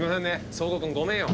壮吾君ごめんよ。